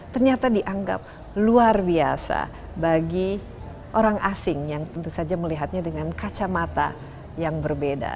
ternyata dianggap luar biasa bagi orang asing yang tentu saja melihatnya dengan kacamata yang berbeda